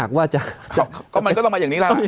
ก็มันก็ต้องมาอย่างนี้แล้วล่ะ